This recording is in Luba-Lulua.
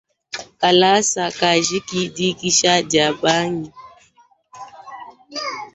Kalasa kajiki, dikisha dia bangi.